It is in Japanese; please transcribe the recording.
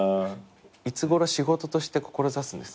いつごろ仕事として志すんですか？